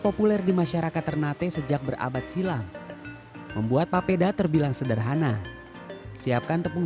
populer di masyarakat ternate sejak berabad silam membuat papeda terbilang sederhana siapkan tepung